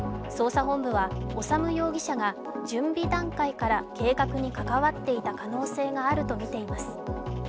捜査本部は修容疑者が準備段階から計画に関わっていた可能性があるとみています。